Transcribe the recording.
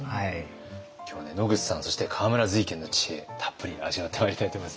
今日はね野口さんそして河村瑞賢の知恵たっぷり味わってまいりたいと思います